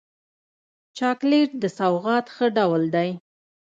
چاکلېټ د سوغات ښه ډول دی.